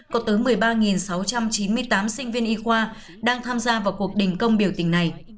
có tới một mươi ba sáu trăm chín mươi tám sinh viên y khoa đang tham gia vào cuộc đình công biểu tình này